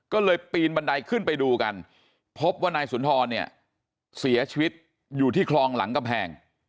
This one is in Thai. ก็เลยปีนบันไดขึ้นไปดูกันพบว่านายสุนทรเนี่ยเสียชีวิตอยู่ที่คลองหลังกำแพง